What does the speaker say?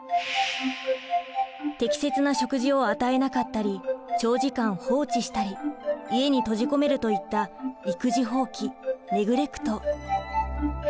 適切な食事を与えなかったり長時間放置したり家に閉じ込めるといった育児放棄ネグレクト。